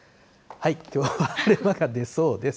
きょうは晴れ間が出そうです。